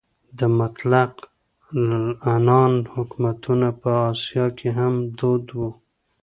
د مطلق العنان حکومتونه په اسیا کې هم دود وو.